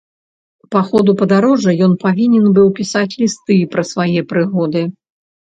Па ходу падарожжа ён павінен быў пісаць лісты пра свае прыгоды.